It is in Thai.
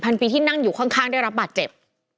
ปีที่นั่งอยู่ข้างได้รับบาดเจ็บ